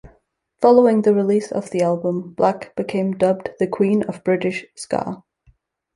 Following the release of the album, Black became dubbed the Queen of British Ska.